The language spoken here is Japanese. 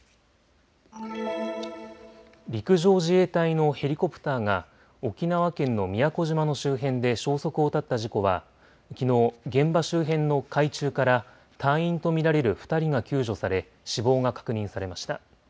陸上自衛隊のヘリコプターが沖縄県の宮古島の周辺で消息を絶った事故はきのう現場周辺の海中から隊員と見られる２人が救助され死亡が確認されました。